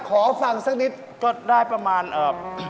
ขอฟังสักนิดก็ได้ประมาณเอ่อ